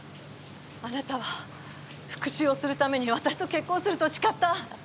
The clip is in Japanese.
あなたは復しゅうをするために私と結婚すると誓った。